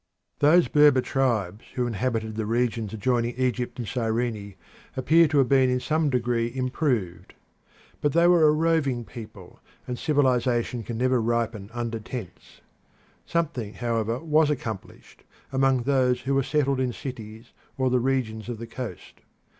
Those Berber tribes who inhabited the regions adjoining Egypt and Cyrene appear to have been in some degree improved. But they were a roving people, and civilisation can never ripen under tents. Something, however, was accomplished among those who were settled in cities or the regions of the coast.